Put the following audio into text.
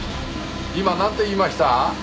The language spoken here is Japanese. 今なんて言いました？